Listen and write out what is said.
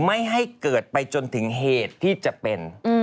ไม่ให้เกิดไปจนถึงเหตุที่จะเป็น